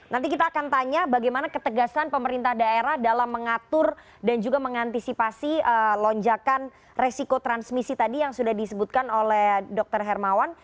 nanti kita akan tanya bagaimana ketegasan pemerintah daerah dalam mengatur dan juga mengantisipasi lonjakan resiko transmisi tadi yang sudah disebutkan oleh dr hermawan